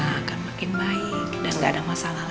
akan makin baik dan gak ada masalah